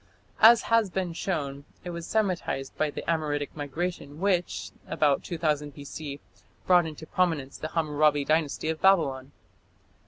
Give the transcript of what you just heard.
As has been shown, it was Semitized by the Amoritic migration which, about 2000 B.C., brought into prominence the Hammurabi Dynasty of Babylon.